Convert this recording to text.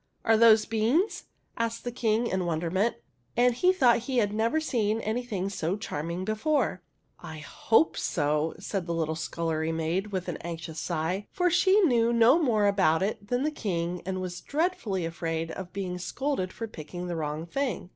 " Are those beans ?" asked the King in wonderment, and he thought he had never seen anything so charming before. 58 THE HUNDREDTH PRINCESS *' I /lo^e so/' said the little scullery maid with an anxious sigh, for she knew no more about it than the King and was dreadfully afraid of being scolded for picking the wrong thing.